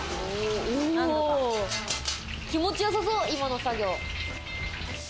気持ちよさそう、今の作業。